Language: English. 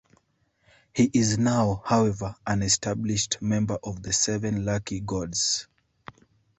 He is now, however, an established member of the Seven Lucky Gods.